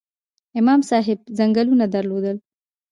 امام صاحب ځنګلونه درلودل؟